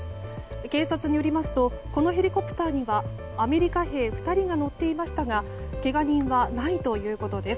警察によりますとこのヘリコプターにはアメリカ兵２人が乗っていましたがけが人はないということです。